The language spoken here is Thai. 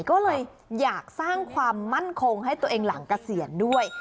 ก็เลยอยากสร้างความมั่นคงให้ตัวเองหลังเกษียณด้วย